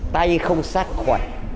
tay không sát khuẩn